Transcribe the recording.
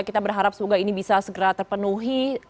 kita berharap semoga ini bisa segera terpenuhi